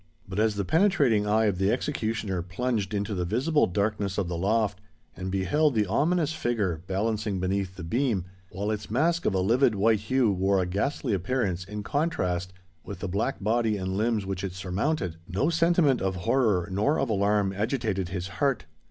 But as the penetrating eye of the executioner plunged into the visible darkness of the loft, and beheld the ominous figure balancing beneath the beam, while its mask of a livid white hue wore a ghastly appearance in contrast with the black body and limbs which it surmounted,—no sentiment of horror nor of alarm agitated his heart.